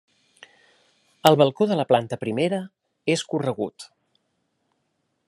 El balcó de la planta primera és corregut.